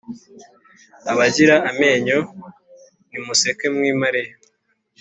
Abagira amenyo ni museke mwi mareyo